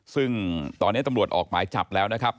ซึ่งตอนนี้ตำรวจออกหมายจับแล้วนะครับ